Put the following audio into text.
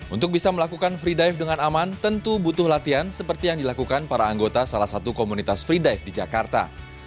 untuk bisa melakukan free dive dengan aman tentu butuh latihan seperti yang dilakukan para anggota salah satu komunitas free dive di jakarta